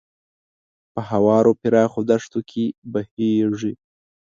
په هوارو پراخو دښتو کې بهیږي.